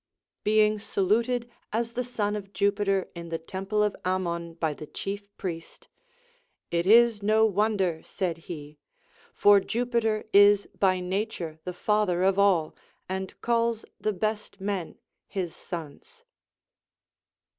Being saluted as the son of Jupiter in the temple of Ammon by the chief priest ; It is no won der, said he, for Jupiter is by nature ihe father of all, and calls the best men his sons.